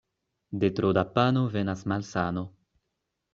De tro da pano venas malsano.